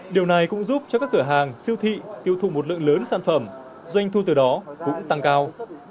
điều này cũng giúp cho các cửa hàng siêu thị tiêu thụ một lượng lớn sản phẩm doanh thu từ đó cũng tăng cao